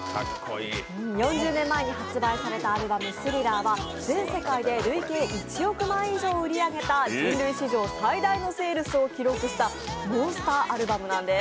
４０年前に発売されたアルバム「スリラー」は累計１億枚以上を売り上げた人類史上最大のセールスを売り上げたモンスターアルバムなんです。